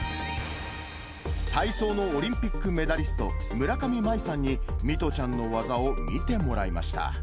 体操のオリンピックメダリスト、村上茉愛さんに、弥都ちゃんの技を見てもらいました。